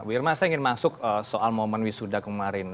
bu irma saya ingin masuk soal momen wisuda kemarin